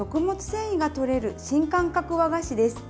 繊維がとれる新感覚和菓子です。